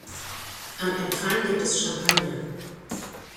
Am Empfang gibt es Champagner.